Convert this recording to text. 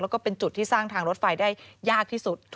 แล้วก็เป็นจุดที่สร้างทางรถไฟได้ยากที่สุด